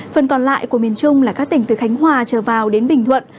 phần còn lại của miền trung là các tỉnh từ khánh hòa trở vào đến bình thuận